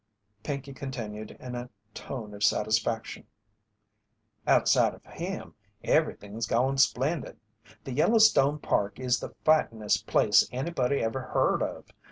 Pinkey continued in a tone of satisfaction: "Outside of him, everything's goin' splendid. The Yellowstone Park is the fightin'est place anybody ever heard of.